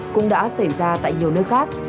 cũng đã xảy ra tại nhiều nơi khác